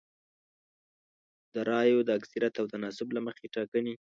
د رایو د اکثریت او تناسب له مخې ټاکنې